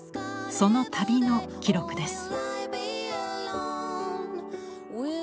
その旅の記録です。